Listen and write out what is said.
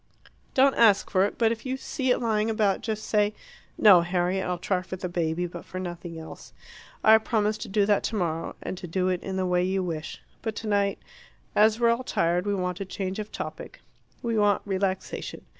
Don't ask for it; but if you see it lying about, just say " "No, Harriet; I'll try for the baby, but for nothing else. I promise to do that tomorrow, and to do it in the way you wish. But tonight, as we're all tired, we want a change of topic. We want relaxation.